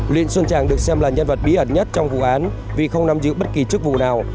luyện xuân trang được xem là nhân vật bí ẩn nhất trong vụ án vì không nằm giữ bất kỳ chức vụ nào